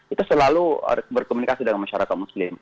itu selalu berkomunikasi dengan masyarakat muslim